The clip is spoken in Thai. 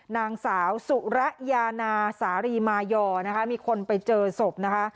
นางสาวสุระยานาสารีมายอนะคะมีคนไปเจอศพนะคะ